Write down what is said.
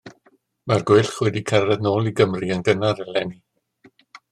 Mae'r gweilch wedi cyrraedd nôl i Gymru yn gynnar eleni.